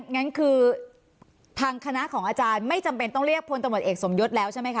งั้นคือทางคณะของอาจารย์ไม่จำเป็นต้องเรียกพลตำรวจเอกสมยศแล้วใช่ไหมคะ